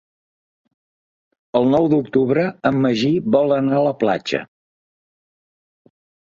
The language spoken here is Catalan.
El nou d'octubre en Magí vol anar a la platja.